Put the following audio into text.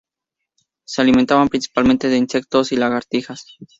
Se alimentan principalmente de insectos y lagartijas.